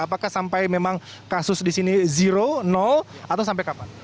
apakah sampai memang kasus di sini zero no atau sampai kapan